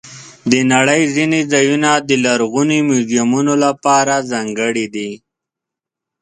د نړۍ ځینې ځایونه د لرغوني میوزیمونو لپاره ځانګړي دي.